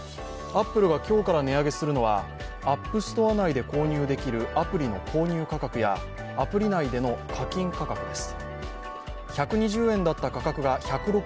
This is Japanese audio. アップルが今日から値上げするはＡｐｐＳｔｏｒｅ内で購入できるアプリの購入価格やアプリ内での課金価格です。